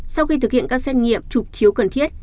sau khi thực hiện các xét nghiệm chụp chiếu cần thiết